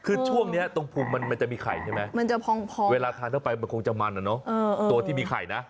คือช่วงนี้ตรงภูมิมันจะมีไข่ใช่ไหมมันจะพองเวลาทานเข้าไปมันคงจะมันอะเนาะตัวที่มีไข่นะ